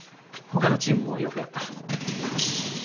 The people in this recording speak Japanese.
他のチームもよくやった。